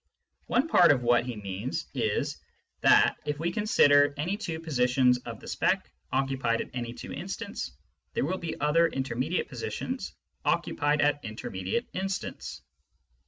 One part of what he means is that, if we consider any two positions of the speck occupied at any two instants, there will be other intermediate positions occupied at inter mediate instants.